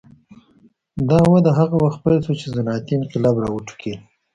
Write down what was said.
دا وده هغه وخت پیل شوه چې صنعتي انقلاب راوټوکېد.